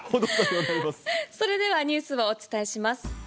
それではニュースをお伝えします。